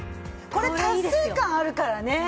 これ達成感あるからね。